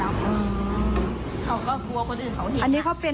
เขาก็กลัวคนอื่นเขาเห็น